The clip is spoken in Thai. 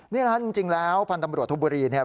นี่แหละจริงแล้วพันธุ์ตำรวจธุบุรี